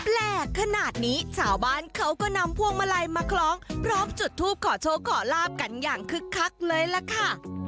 แหลกขนาดนี้ชาวบ้านเขาก็นำพวงมาลัยมาคล้องพร้อมจุดทูปขอโชคขอลาบกันอย่างคึกคักเลยล่ะค่ะ